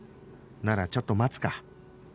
ならちょっと待つか